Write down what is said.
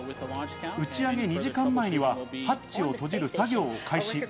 打ち上げ２時間前にはハッチを閉じる作業を開始。